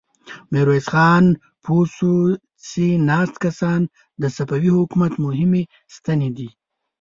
ميرويس خان پوه شو چې ناست کسان د صفوي حکومت مهمې ستنې دي.